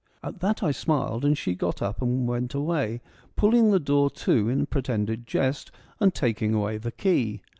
At that I smiled, and she got up and went away, pulling the door to in pretended jest, and taking away the key.